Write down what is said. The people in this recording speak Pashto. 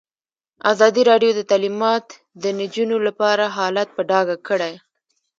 ازادي راډیو د تعلیمات د نجونو لپاره حالت په ډاګه کړی.